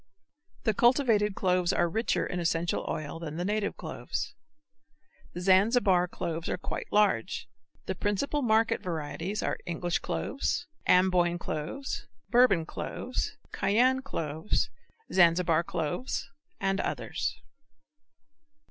The cultivated cloves are richer in essential oil than the native cloves. The Zanzibar cloves are quite large. The principal market varieties are English cloves, Amboyne cloves, Bourbon cloves, Cayenne cloves, Zanzibar cloves, and others.